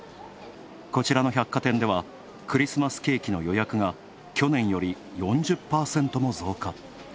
こちらの百貨店ではクリスマスケーキの予約が去年より４０％も増加。